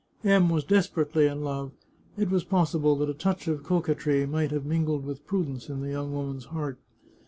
M was desperately in love; it was possible that a touch of coquetry might have mingled with prudence in the young woman's heart.